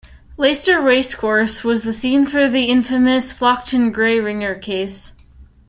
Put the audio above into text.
Leicester racecourse was the scene of the infamous Flockton Grey ringer case.